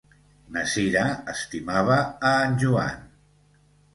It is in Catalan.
Na Sira estimava a en Joan.